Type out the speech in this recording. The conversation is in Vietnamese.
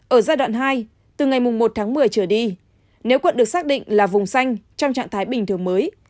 ở giai đoạn hai từ ngày một tháng một mươi trở đi nếu quận được xác định là vùng xanh trong trạng thái bình thường mới